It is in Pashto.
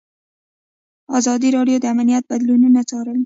ازادي راډیو د امنیت بدلونونه څارلي.